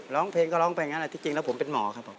ร้องเพลงก็ร้องไปอย่างนั้นจริงแล้วผมเป็นหมอครับผม